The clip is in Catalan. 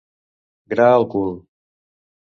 Gra al cul.